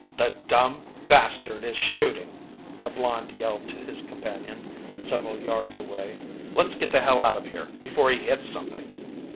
"The dumb bastard is shooting," the blond yelled to his companion several yards away. "Let's get the hell out of here, before he hits something!"